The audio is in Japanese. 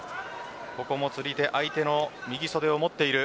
ここも釣り手相手の右袖を持っている。